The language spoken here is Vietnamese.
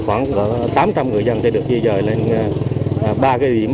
khoảng tám trăm linh người dân sẽ được di rời lên ba địa điểm